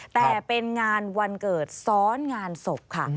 แต่เป็นงานวันเกิดซ้อนงานศพค่ะ